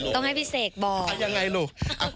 ต้องให้พี่เศษบอก